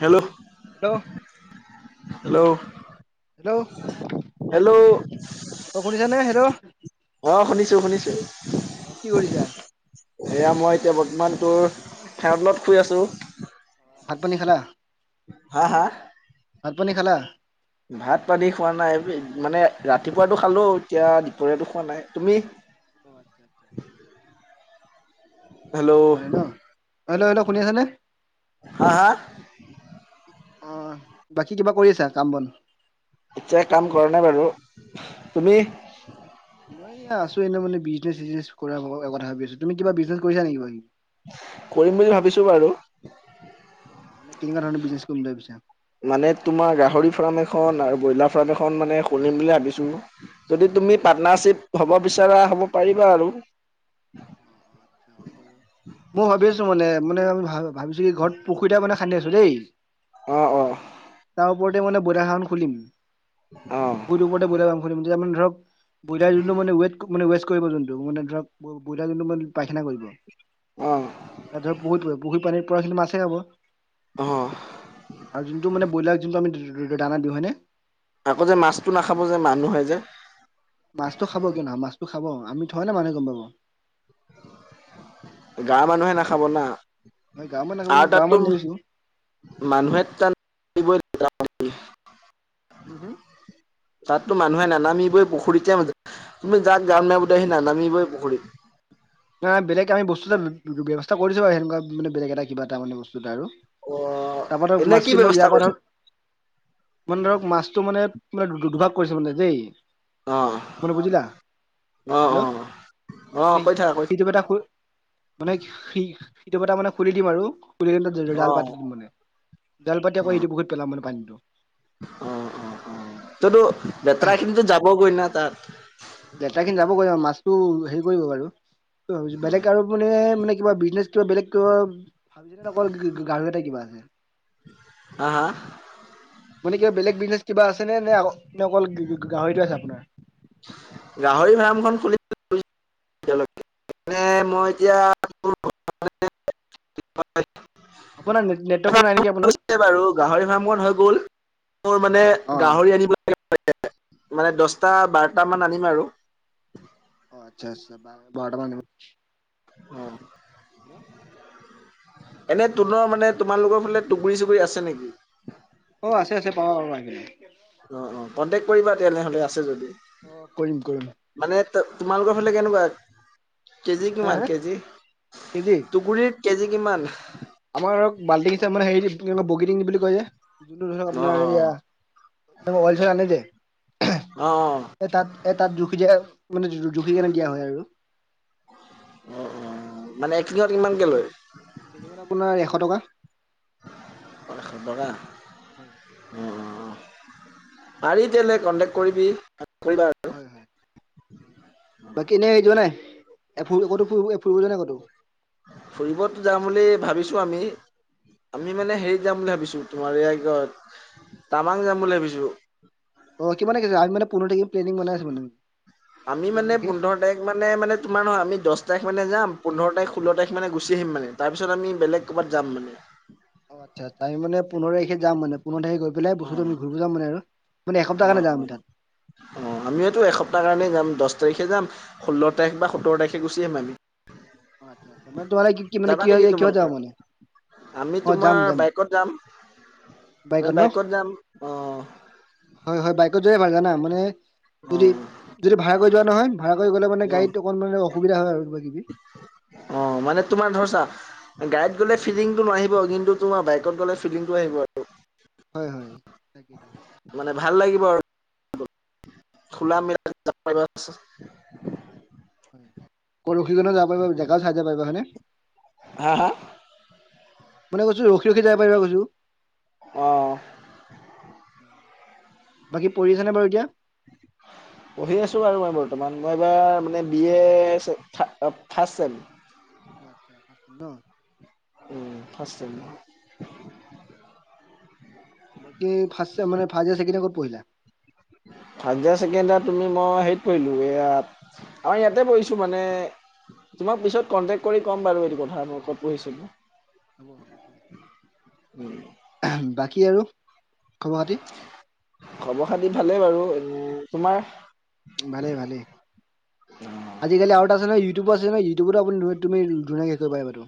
Hello hello hello hello, hello অ শুনিছানে hello অ শুনিছো শুনিছো। অ কি কৰিছা? এয়া মই এতিয়া বৰ্তমান তোৰ ফেনৰ তলত শুই আছোঁ। ভাত-পানী খালা? হা হা। ভাত-পানী খালা? ভাত-পানী খোৱা নাই, মানে ৰাতিপুৱাটো খালো এতিয়া দিপৰীয়াটো খোৱা নাই, তুমি? [inaudible] দুপৰীয়া হেল্ল' খোৱা নাই ন। হেল্ল' হেল্ল' শুনি আছানে? [unintelligible] অ বাকী কিবা কৰি আছা কাম-বন? এতিয়া কাম কৰা নাই বাৰু। তুমি? এইয়া আছো এনে মানে বিজনেছ-চিজনেছ কৰাৰ কথা ভাবি আছো। তুমি কিবা বিজনেছ কৰিছা নেকি? কৰিম বুলি ভাবিছো বাৰু। মানে কেনেকাধৰণৰ বিজনেছ কৰিম বুলি ভাবিছা? মানে তোমাৰ গাহৰি ফাৰ্ম এখন আৰু ব্ৰইলাৰ ফাৰ্ম এখন মানে খুলিম বুলি ভাবিছো। যদি অ তুমি আচ্ছা পাৰ্টনাৰশ্বিপ হ'ব বিচাৰা হ'ব পাৰিবা আৰু। অ অ আচ্ছা হয় বাৰু। মই ভাবি আছো মানে মানে ভা ভাবিছোঁ কি ঘৰত পুখুৰী এটা মানে খান্দি আছো দেই। অ অ তাৰ ওপৰতে মানে ব্ৰইলাৰফ্ৰাম খুলিম অ পুখুৰীটোৰ ওপৰতে ব্ৰইলাৰফ্ৰাম খুলিম। তেতিয়া মানে ধৰক ব্ৰইলাৰে যোনটো মানে ৱেট ৱেষ্ট কৰিব যোনটো মানে ধৰক ব্ৰইলাৰ যোনটো মানে পায়খানা কৰিব, অ ধৰক পুখুৰী পৰিব পুখুৰীৰ পানীত পৰা খিনি মাছে খাব। অ [inaudible] আৰু যোনটো মানে ব্ৰইলাৰ যোনটো যো যো আমি দানা দিওঁ হয়নে? আকৌ যে মাছটো নাখাব যে মানুহে যে। মাছটো খাব কিয় নাখাব মাছটো খাব আমি থৰি না মানুহে গম পাব। গাঁৱৰ মানুহে নাখাব না। গাঁৱৰ মানুহ আৰু গাঁৱৰ তাতো মানুহ দেখিছো মানুহে তাত [unintelligible] হুম হুম [unintelligible] মানুহে নানামিবই পুখুৰীতে, তুমি যাক জাল মাৰিব দিবা সি নানামিবই পুখুৰীত বেলেগ আমি বস্তু এটা ব্য ব্যৱস্থা কৰিছোঁ বাৰু সেনেকুৱা মানে বেলেগ এটা কিবা এটা মানে বস্তু এটা আৰু। অ তাৰপৰা ধৰক এনে কি মাছখিনি ধৰক ব্যৱস্থা ইয়াৰ পৰা কৰিছা ধৰক, মানে ধৰক মাছটো মানে তে দু দু দুভাগ কৰিছে মানে দেই। অ মানে বুজিলা অ অ হেল্ল' অ মানে কৈ থাকা কৈ সিটোপ এটা খোল মানে সিটোপ এটা মানে খুলি দিম আৰু। [unintelligible] থাকা। জাল অ পাতি দিম মানে জাল পাতি আকৌ অ ইটো পুখুৰীত পেলাম মানে পানীটো। অ অ অ ততো লেতেৰাখিনিটো যাবগৈ না তাত। লেতেৰাখিনি যাব গৈ মাছটো হেৰি কৰিব বাৰু বেলেগ আৰু মানে মানে কিবা বিজনেছ কিবা বেলেগ কিবা ভাবিলে হে অকল গ গ গাহৰি এটাই কিবা আছে। হা হা মানে কিবা বেলেগ বিজনেচ কিবা আছে নে, নে অকল গা গা গাহৰিটোৱে আছে আপোনাৰ। গাহৰি ফাৰ্মখন খুলিম বুলি ভাবিছো। [unintelligible] মানে মই এতিয়া [unintelligible] [inaudible] আপোনাৰ নে নে নেট নেটৱৰ্কটো নাই নেকি আপোনাৰ [unintelligible] বাৰু গাহৰি ফাৰ্মখন হৈ গ'ল মোৰ মানে অ গাহৰি আনিব লাগে মানে দশটা বাৰটামান আনিম আৰু। অ আচ্ছা আচ্ছা। বাৰটা মান আনিবা। অ এনে তোনৰ মানে তোমালোকৰ ফালে টুগুৰি-চুগুৰি আছে নেকি? অ আছে আছে পাবা পাবা। অ অ কণ্টেক্ট কৰিবা তেনেহলে আছে যদি। অ কৰিম কৰিম। ত তোমালোকৰ ফালে কেনেকুৱা, কেজি কিমান কেজি, কেজি দুুগুৰিত কেজি কিমান? বগীতিং বুলি কয় যে যোনটো ধৰক অ', আপোনাৰ অ', এয়া অইল [unintelligible] আনে যে অ', অ', তাত জুখি দিয়ে মানে জুখি কিনে দিয়া হয় আৰু। অ', অ' মানে [unintelligible] কিমানকে লয়? [unintelligible] আপোনাৰ এশ টকা। এশ টকা। [unintelligible] পাৰি [unintelligible] কণ্টেক্ট কৰিবি। কৰিবা আৰু হয়-হয় বাকি এনেই যোৱা নাই? এ ফুৰিব ক'তো ফুৰিব ফুৰিব লৈ নাই ক'তো। ফুৰিবতো যাম বুলি ভাবিছো আমি। আমি মানে হেৰিত যাম বুলি ভাবিছো তোমাৰ এয়া কি কই টাৱাং যাম বুলি ভাবিছো। অ' [unintelligible] আমি মানে পোন্ধৰ তাৰিখে প্লেনিং বনাই আছোঁ মানে। আমি মানে পোন্ধৰ তাৰিখ মানে-মানে তোমাৰ নহয় আমি দছ তাৰিখ [unintelligible] যাম পোন্ধৰ তাৰিখ ষোল্ল তাৰিখ মানে গুচি আহিম মান তাৰ পিছত আমি বেলেগ ক'বাত যাম মানে। অ' আচ্ছা [unintelligible] মানে পোন্ধৰ তাৰিখে যাম মানে পোন্ধৰ তাৰিখে গৈ পেলাই অ বস্তুটো আমি ঘূৰিব যাম মানে আৰু মানে এক সপ্তাহ কাৰণে যাম আমি তাত। আমিও টো এসপ্তাহ কাৰণে যাম দচ [unintelligible] তাৰিখে যাম ষোল্ল তাৰিখ বা সোতৰ তাৰিখে গুচি আহিম আমি। অ' আচ্ছ-আচ্ছা তোমালোকে কি কি মানে যাবা নেকি কিহত তোমালোকে যাবা মানে? আমি অ' জাম তোমাৰ জাম। বাইকত যাম আমি বাইকত ন যাম অ হয়-হয় বাই [unintelligible] মানে অ যদি-যদি ভাড়া কৰি যোৱা নহয় ভাড়া কৰি গ'লে মানে অ গাড়ীত অকন মানে অসুবিধা হয় আৰু কিবা কিবি। অ' মানে তোমাৰ ধৰ ছা গাড়ীত গ'লে উম, ফিলিংটো নাহিব কিন্তু তোমাৰ বাইকত গ'লে ফিলিংটো আহিব আৰু। হয়-হয় তাকে, তাকে। খুলা হয় মেলা। [unintelligible] ৰাখি কেনে যাব পাৰিবা জেগাও চাই যাব পাৰিবা হয় নে? হা হা? মানে কৈছো ৰখি ৰখি যাব পাৰিবা কৈছো। অ'। বাকী পঢ়ি আছনে বাৰু এতিয়া? পঢ়ি আছোঁ আৰু মই বৰ্তমান মই এইবাৰ মানে বি এ ফাৰ্ষ্ট ছেম। আচ্ছা [unintelligible] ছেম ন? উম, ফাষ্ট ছেম ন? [inaudible] বাকী ফাষ্ট ছেম মানে ফাষ্ট [unintelligible] কত পঢ়িলা? ফাষ্ট [unintelligible] তুমি মই হেৰিত পঢ়িলোঁ এইয়াত অ', ইয়াতে পঢ়িছোঁ মানে তোমাক পিছত কন্টেক কৰি ক'ম বাৰু এইটো কথা ক'ত পঢ়িছিলো উম, [unintelligible] বাকী আৰু? খবৰ খাতি খবৰ খাতি ভালেই বাৰু উম তোমাৰ? ভালেই-ভালেই আজিকালি আৰু এটা আছে নহয় ইউটিউব ইউতিউবত আপুনি তুমি ধুনীয়াকে হেৰি কৰিব পাৰি বাটো।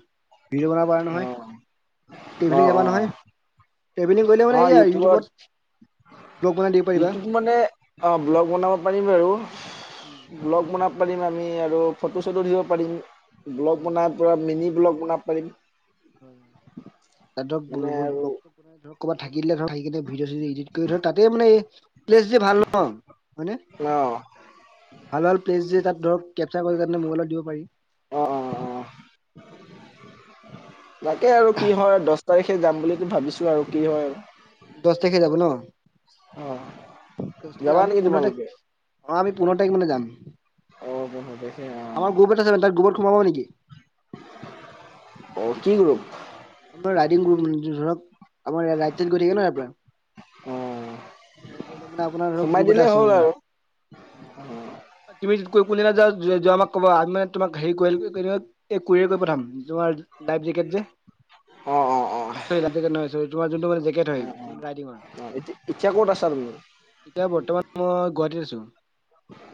ভিডঅ' বনাব পাৰা নহয়, অঁ ট্ৰাভেলিং অঁ যাবা নহয়। অঁ ট্ৰেভেলিং কৰিলে মানে এইয়া ইউটিউবত ব্লগ বনাই দিব পাৰিবা ইটোত মানে অ' ব্লগ বনাব পাৰিম বাৰু। উম ব্লগ বনাব পাৰিম আমি আৰু ফটো চটো দিব পাৰিম। ব্লগ হয় বনাই পৰা মিনি ব্লগ বনাব পাৰিম। [unintelligible] মানে আৰু ক'ৰবাত থাকিলে ধৰ থাকি কিনে ভিডিঅ চিডিঅ ইডিট কৰি ধৰ তাতে মানে প্লেচ যে ভাল ন হয়নে? অঁ ভাল ভাল প্লেছ যে তাত ধৰক কেপচাৰ কৰি কেনে মোবাইলত দিব পাৰি। অ অ অ তাকে আৰু কি হয় দশ তাৰিখে যাম বুলিটো ভাবিছো আৰু কি হয়। দশ তাৰিখে যাব ন? অ যাবা আমি নেকি পোন্ধ তাইখ তোমালোকে -অ, আমি পোন্ধৰ তাৰিখ মানে যাম। অ পোন্ধৰ তাৰিখে অ আমাৰ গ্ৰুপ এটা আছে মানে তাত গ্ৰুপত সোমাব নেকি? অ, কি গ্ৰুপ? আমাৰ ৰাইডিং গ্ৰুপ ধৰক। আমাৰ ইয়াত ৰাইদ চাইদ গৈ থাকে ন ইয়াৰ পৰা। অ [unintelligible] মানে আপোনাৰ ধৰক সোমাই গ্ৰুপ এটা দিলেই আছে। হ'ল আৰু অ, অ অ তুমি কো -কোনদিনা যা- যোৱা আমাক ক'বা মানে তোমাক হেৰি কু - কুৰি -কুৰিয়াৰ কৰি পঠাম। তোমাৰ লাইফ জেকেট যে। অ অ অ অ সৰী লাইফ জেকেট নহয় চৰি, তোমাৰ যোনটো মানে জেকেট অ হয় মানে ৰাইডিঙৰ। এতিয়া এতিয়া ক'ত আছা তুমি এতিয়া বৰ্তমান মই গুৱাহাটীত আছো।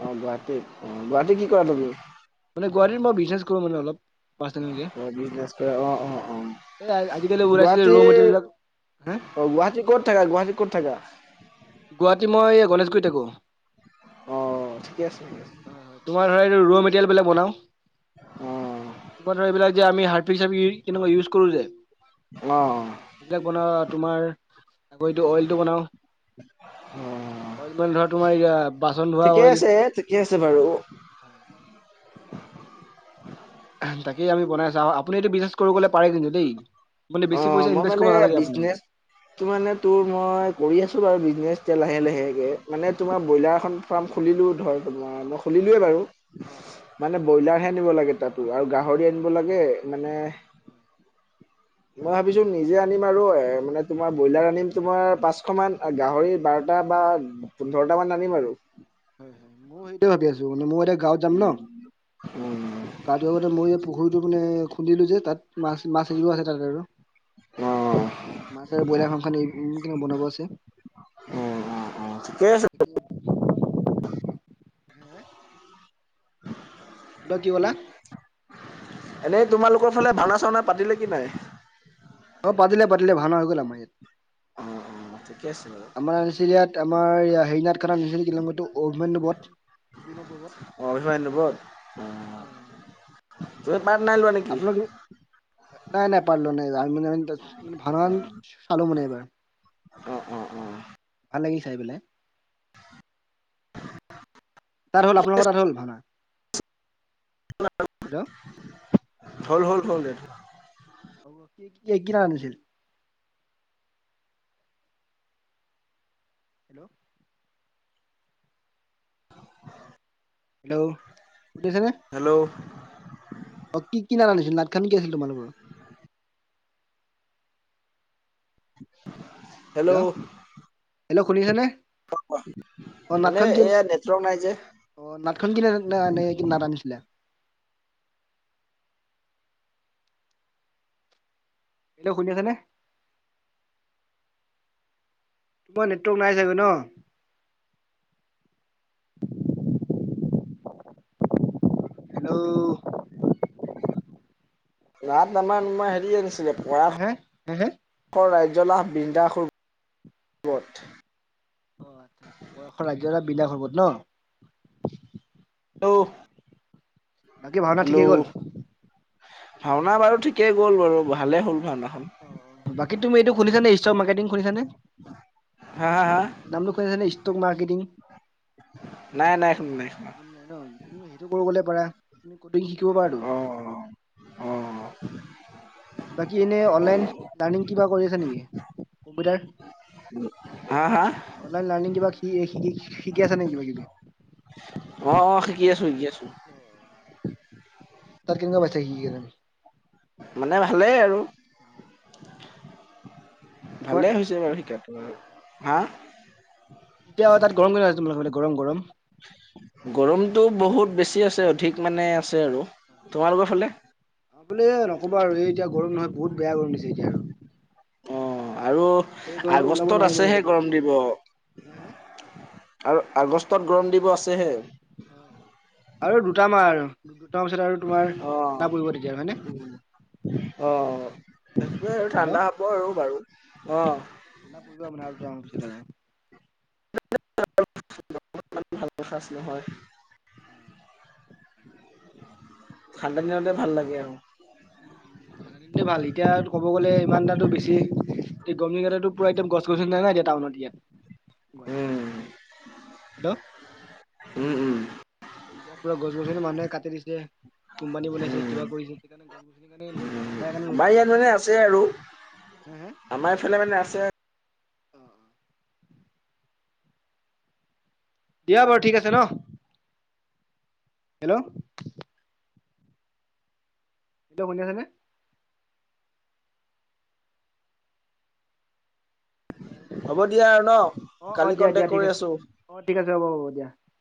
অ গুৱাহাটীত, অ, গুৱাহাটী কি কৰা তুমি? মানে গুৱাহাটিত মই বিজনেছ কৰো মানে অলপ। পাৰ্চনেলকে অ বিজনেচ কৰে অ, অ, এই আজিকালি অ, ওলাইছে যে ৰ' গুৱাহাটীৰ মেটেৰিয়েল বিলাক হা অ, গুৱাহাটীৰ ক'ত থাকা? গুৱাহাটীৰ ক'ত থাকা? গুৱাহাটী মই গণেশগুৰিত থাকো। অ ঠিকে আছে ঠিকে হয় হয় তোমাৰ ধৰা ৰ মেতেৰিয়েল বিলাক বনাও। আছে অ বনাও এইবিলাক যে আমি হাৰ্ড চাবি কিন্তু মই ইউচ কৰো যে। অ সেইবিলাক বনাও তোমাৰ তাকো এইটো অইলটো বনাও। অ অইল মানে ধৰা তোমাৰ এয়া বাচন ধোৱা ঠিকে অইল। আছে ঠিকে আছে বাৰু হয়। [unintelligible] তাকেই আমি বনাইছাও। আপুনি এইটো বিজনেছ কৰো ক'লে পাৰে কিন্তু দেই। মানে অ, বেছি পইচা মই ইনভেষ্ট মানে কৰিব নালাগে আপুনি বিজনেচ টো মানে তোৰ মই কৰি আছো বাৰু বিজনেচ। এতিয়া লাহে লাহেকে। মানে তোমাৰ ব্ৰইলাৰ এখন ফাৰ্ম খুলিলোঁ ধৰ তোমাৰ মই খুলিলোৱে বাৰু। অ অ মানে ব্ৰইলাৰহে আনিব লাগে তাতো আৰু গাহৰি আনিব লাগে মানে। মই ভাবিছো নিজে আনিম আৰু এ মানে তোমাৰ ব্ৰইলাৰ আনিম তোমাৰ পাঁচশ মান গাহৰি বাৰটা বা পোন্ধৰটামান আনিম আৰু হয় হয়। মই সেইটোৱে ভাবি আছোঁ। মানে মই এতিয়া গাঁৱত যাম ন। উম গাঁ ধোৱাৰ আগতে মই এই পুখুৰীটো মানে খুন্দিলো যে তাত মাছ -মাছ এৰিব আছে তাত আৰু। অ মাছ আৰু ব্ৰইলাৰ ফাৰ্ম খন উম। কিন্তু বনাব আছে। অ অ অ ঠিকে আছে। হে হেল্ল' কি কলা? এনেই তোমালোকৰ ফালে ভাওনা- চাওনা পাতিলে কি নাই? অ পাতিলে, পাতিলে ভাওনা হৈ গল আমাৰ ইয়াত। অ অ ঠিকে আছে বাৰু আমাৰ আচিল ইয়াত আমাৰ [unintelligible] অ অভিমাইন্দপত হয় হয়। অ। পাদ নাই লোৱা নেকি? আপোনালোক নাই, নাই পাৰলো নাই আমি [unintelligible] ভাল আ চালো মানে এইবাৰ অ', অ', অ', ভাল লাগিল চাই বোলে [inaudible] তাত হ'ল, আপোনালোকৰ তাত হল ভাওনা হেল্ল' হল -হল -হল দে কেকি নানছিল হেল্ল', হেল্ল', শুনিছেনে? হেল্ল', অ কি কি নাট আনিছিল নাট খান কি আছিল তোমালোকৰ হেল্ল', হেল্ল শুনিছেনে? [unintelligible] অ মানে নাটখন কি এয়া নেটৱৰ্ক নাই যে। অ নাটখন কিনেনে নাট আনিছিলে? হেল্ল' শুনি আছে নে? তোমাৰ নেটৱৰ্ক নাই চাগৈ ন। হেল্ল', ৰাত আমান মান হেৰি আনিছিলে হে হে পৰাখ ৰাইট জলাহ বৃন্দাসুৰ পুৰত অ আচ্ছা আচ্ছা পৰাশ ৰাজয় এটা বিনাশ হবত ন। [unintelligible] বাকী ভাওনা ঠিকেই গ'ল। হেল্ল' ভাওনা বাৰু ঠিকেই গ'ল বাৰু ভালেই হ'ল ভাওনা। অ বাকী তুমি এইটো খুুলিছানে ষ্ট খুনিছানে? হা হা নামটো কৈছানে ষ্টক মাৰ্কেটিং নাইন নাই ন তুমি সেইটো কৰিবলে পাৰা তুমি কদিং শিকিব পাৰাটো। [inaudible] অ'। অ', বাকী এনে অনলাইন লাৰ্ণিং কিবা কৰি আছে নেকি কম্পিউটাৰ। হা হা অলাইন লাৰ্ণিং শি এ শিকি শিকি আছা নেকি কিবা কিবি অ অ শিকি আছো শিকি আছো। তাত কেনেকা পাইছে সি কেনে মানে ভালেই আৰু। তোমাৰ ভালে হৈছে বাৰু শিকাটো, অ হা। এতিয়া তাত গৰম কেনে তোমালোকে গৰম গৰম। গৰমতটো বহুত বেছি আছে অধিক মানে আছে আৰু। তোমালোকৰ ফালে? বোলে নক'বা আৰু এই এতিয়া গৰম নহয় বহুত বেয়া গৰম দিছে এতিয়া আৰু। অ' আৰু এই গৰমত ওলাব আগষ্টত নোৱাৰি মানে আছেহে ক'তো আৰু। গৰম দিব। আৰু আগষ্টত গৰম দিৱস। আৰু দুটা মাহ আৰু দুটা পাছত আৰু তোমাৰ উম, ঠাণ্ডা পৰিব তেতিয়া হয় নে। অ সেইটোৱে আৰু ঠাণ্ডা হেল্ল' হ'ব আৰু বাৰু। [unintelligible] [unintelligible] খাইছিলোঁং হয়। অ [unintelligible] ঠাণ্ডা দিনতে ভাল লাগে আৰু। উ ঠাণ্ডা দিনতো এ ভাল এতিয়া ক'ব গ'লে ইমান দাটো বেছি। গমি গাতাতো পৰা একদম গছনি নাই নাই এতি টাউনত ইয়াত। গুৱাহাটী, উম, হেল্ল', উম উম। এতিয়া পুৰা গছ গছনি মানুহে কাটি দিছে। কোম্পানী বনাইছে উম, কিবা কৰিছে সেইকাৰণে গছ গছনি কাৰণে উম নাধাকাই কাৰণে আমাৰ ৰ'দটো দিছে ইয়াত বেছি মানে আহিছে। আছে আৰু হে হে? আমাৰ এইফালে মানে আছে। অ। দিয়া বাৰু ঠিক আছে ন। হেল্ল' এতিয়া শুনি আছে নে? হ'ব দিয়া আৰু ন অ অ কালি দিয়া দিয়া কন্টেক্ট ঠিক কৰি আছে আছোঁ। অ ঠিক আছে হ'ব হ'ব দিয়া।